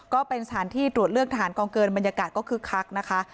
ก็เป็นสถานที่ตรวจเลือกทหารกองเกินบรรยากาศก็คึกคักนะคะ